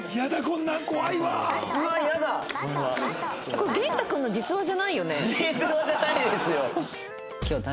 これ元太君の実話じゃないよね？